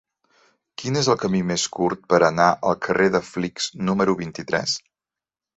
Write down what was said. Quin és el camí més curt per anar al carrer de Flix número vint-i-tres?